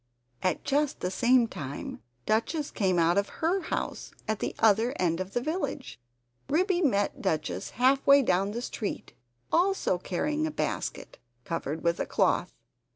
And just at the same time, Duchess came out of HER house, at the other end of the village. Ribby met Duchess half way down the street, also carrying a basket, covered with a cloth.